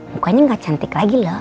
mukanya nggak cantik lagi loh